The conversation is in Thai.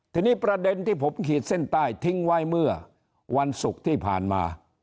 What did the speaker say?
ทีนี้ประเด็นที่ผมขีดเส้นใต้ทิ้งไว้เมื่อวันศุกร์ที่ผ่านมา